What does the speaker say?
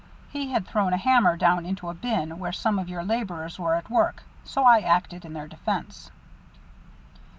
He had thrown a hammer down into a bin where some of your laborers were at work, so I acted in their defence."